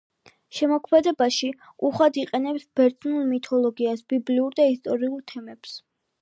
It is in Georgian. შემოქმედებაში უხვად იყენებს ბერძნულ მითოლოგიას, ბიბლიურ და ისტორიულ თემებს.